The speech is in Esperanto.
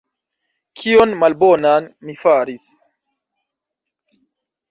Kion malbonan mi faris?